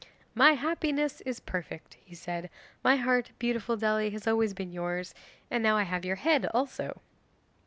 "My happiness is perfect," he said; "my heart, beautiful Dely, has always been yours, and now I have your head also."